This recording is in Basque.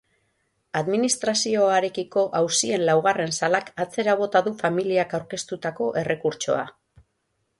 Administrazioarekiko auzien laugarren salak atzera bota du familiak aurkeztutako errekurtsoa.